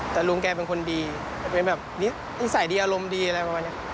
แต่ลุงแกเป็นคนดีเป็นแบบนิสัยดีอารมณ์ดีอะไรประมาณนี้